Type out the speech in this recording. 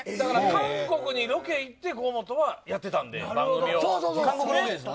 韓国にロケ行って河本はやってたんで番組を。